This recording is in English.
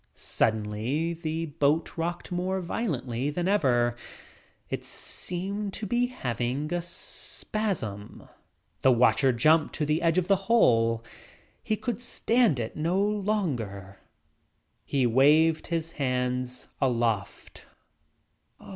Suddenly the boat rocked more violently than ever. It seemed to be having a spasm. The watcher jumped to the edge of the hole. He could stand it no longer. He waved his hands aloft.